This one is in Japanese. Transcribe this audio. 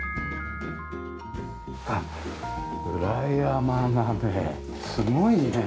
あっ裏山がねすごいね。